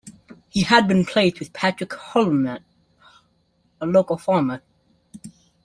He had been placed with Patrick Houlahan, a local farmer.